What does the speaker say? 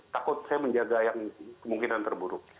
takut saya menjaga yang kemungkinan terburuk